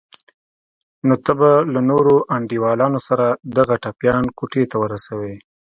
نو ته به له څو نورو انډيوالانو سره دغه ټپيان کوټې ته ورسوې.